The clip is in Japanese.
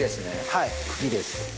はい茎です。